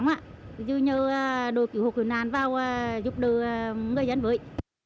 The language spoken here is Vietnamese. chứ nhớ đôi kiểu hồ kiểu nàn vào giúp đỡ người dân với